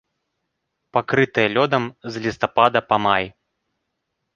Пакрытае лёдам з лістапада па май.